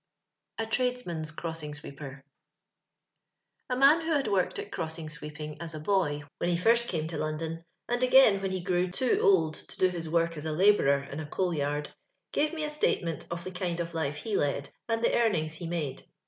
A TiUDESMiN'8 Cbossiko Sweepeb. A MAN who had worked at crossing sweeping us a boy when ho first came to London, and again when ho grew too old to do his work as a labourer in a coal yard, gave me a statement of the kind of life he led, and the earnings he made.